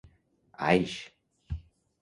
Aix